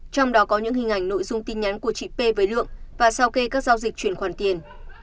trong đó có những hình ảnh nội dung tin nhắn của chị p với lượng và sao kê các giao dịch chuyển khoản tiền